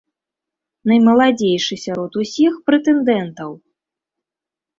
Наймаладзейшы сярод усіх прэтэндэнтаў.